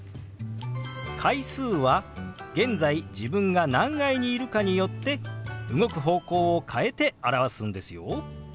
階数は現在自分が何階にいるかによって動く方向を変えて表すんですよ。